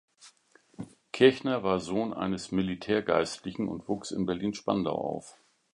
Kirchner war Sohn eines Militärgeistlichen und wuchs in Berlin-Spandau auf.